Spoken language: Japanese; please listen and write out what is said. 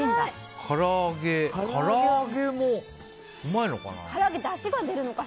唐揚げも、うまいのかな。